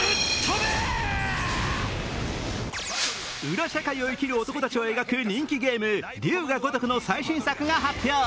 裏社会を生きる男たちを描く人気ゲーム「龍が如く」の最新作が発表。